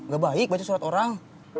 gak baik baca surat orang